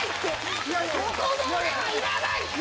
ここで俺はいらないって！